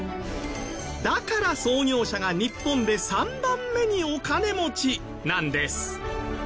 だから創業者が日本で３番目にお金持ちなんです。